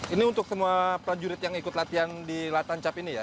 ini untuk semua prajurit yang ikut latihan di latan cap ini ya